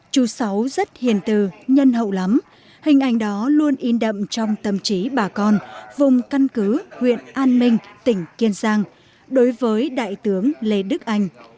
chú sáu rất hiền từ nhân hậu lắm hình ảnh đó luôn in đậm trong tâm trí bà con vùng căn cứ huyện an minh tỉnh kiên giang đối với đại tướng lê đức anh